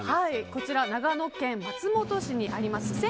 こちらは長野県松本市にあります